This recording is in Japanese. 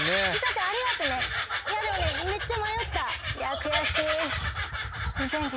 でもねめっちゃ迷った。